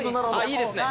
いいですね。